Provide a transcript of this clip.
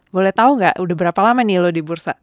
boleh tahu nggak udah berapa lama nih lo di bursa